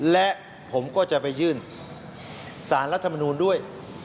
และผมก็จะไปยื่นสารรัฐมนูลด้วย